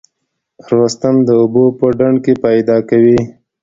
رستم د اوبو په ډنډ کې پیدا کوي.